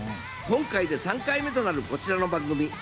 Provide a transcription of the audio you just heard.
今回で３回目となるこちらの番組。